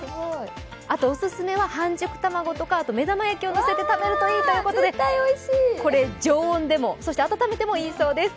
オススメは半熟卵とか目玉焼きをのせて食べるといいということでこれ常温でも温めてもいいそうです。